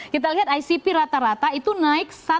kita lihat icp rata rata itu naik